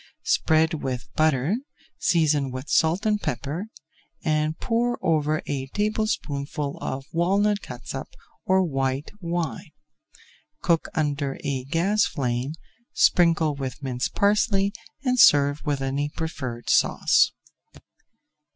Spread with butter, season with salt and pepper, and pour over a tablespoonful of walnut catsup or white wine. Cook under a gas flame, sprinkle with minced parsley, and serve with any preferred sauce.